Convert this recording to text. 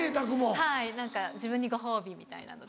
はい自分にご褒美みたいなので。